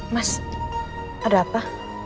mas ada apa